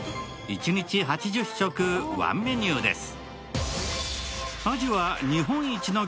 一日８０食、ワンメニューです。